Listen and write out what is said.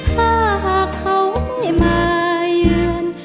ถ้าหากเขาไม่มาเยือน